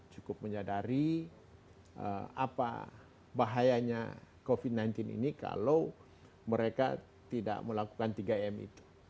cukup menyadari apa bahayanya covid sembilan belas ini kalau mereka tidak melakukan tiga m itu